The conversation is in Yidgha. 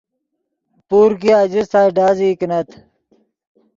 پور کہ آجستائے ڈازئی کینت